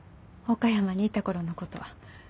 岡山にいた頃のことは。